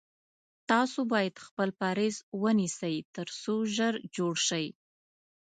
تاسو باید خپل پریز ونیسی تر څو ژر جوړ شی